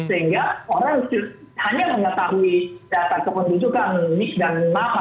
sehingga orang hanya mengetahui data kepemudukan mix dan mama